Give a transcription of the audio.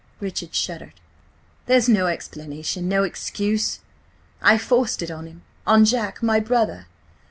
Richard shuddered. "There's no explanation–no excuse. I forced it on him! On Jack, my brother!